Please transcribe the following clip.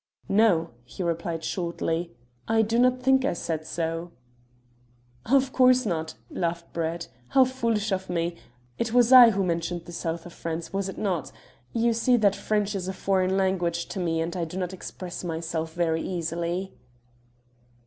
"No," he replied shortly; "I do not think I said so." "Of course not," laughed Brett. "How foolish of me! It was I who mentioned the South of France, was it not? You see that French is a foreign language to me, and I do not express myself very easily."